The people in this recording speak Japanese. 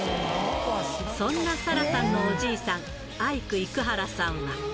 そんなサラさんのおじいさん、アイク生原さんは。